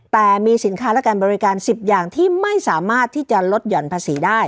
แต่มีสินค้าและการบริการ๑๐อย่างที่ไม่สามารถที่จะลดหย่อนภาษีได้